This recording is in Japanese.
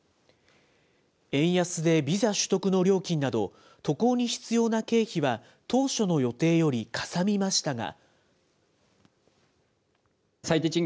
円安でビザ取得の料金など、渡航に必要な経費は当初の予定よりかさみましたが。